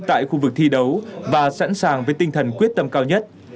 tại khu vực thi đấu và sẵn sàng với tinh thần quyết tâm cao nhất